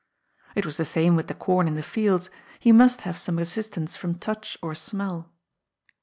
It was the same with the com in the fields, he must have some assistance from touch or smell.